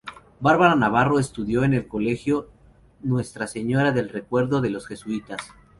Bárbara Navarro estudio en el Colegio Nuestra Señora del Recuerdo, de los Jesuitas.